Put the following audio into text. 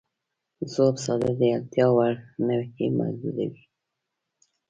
ځواب ساده دی، اړتیا وړ نوعې محدودې وې.